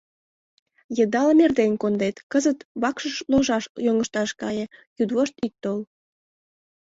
Йыдалым эрден кондет, кызыт вакшыш ложаш йоҥышташ кае: йӱдвошт ит тол!